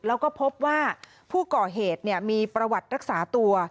แล้วก็พบว่าผู้ก่อเหตุมีประวัติรักษาตัว